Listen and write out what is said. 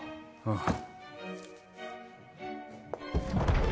ああ